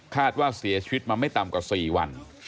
ว่าเสียชีวิตมาไม่ต่ำกว่า๔วัน